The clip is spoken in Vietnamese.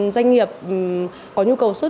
doanh nghiệp có nhu cầu xuất